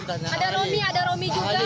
ada romi ada romi juga